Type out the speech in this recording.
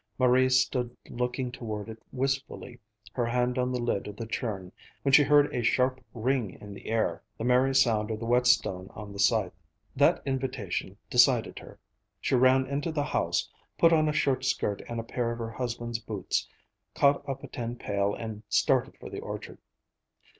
Marie stood looking toward it wistfully, her hand on the lid of the churn, when she heard a sharp ring in the air, the merry sound of the whetstone on the scythe. That invitation decided her. She ran into the house, put on a short skirt and a pair of her husband's boots, caught up a tin pail and started for the orchard.